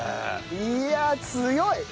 いやあ強い！